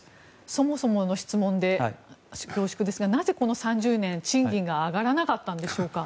そもそもの質問で恐縮ですがなぜ、この３０年賃金が上がらなかったんでしょうか。